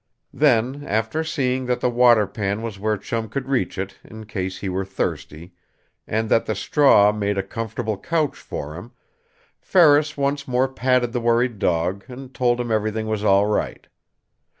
Then, after seeing that the water pan was where Chum could reach it in case he were thirsty and that the straw made a comfortable couch for him, Ferris once more patted the worried dog and told him everything was all right.